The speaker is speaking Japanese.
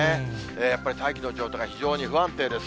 やっぱり大気の状態が非常に不安定です。